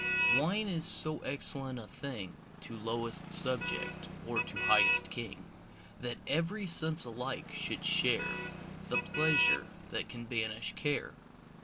Wine is so excellent a thing To lowest subject, or to highest king, That every sense alike should share The pleasure that can banish care.